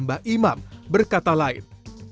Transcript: mbah imam berkata lain